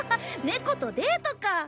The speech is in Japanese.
ネコとデートか。